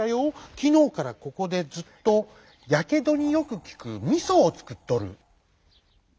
きのうからここでずっとやけどによくきくみそをつくっとる」。